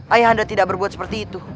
ayah anda tidak berbuat seperti itu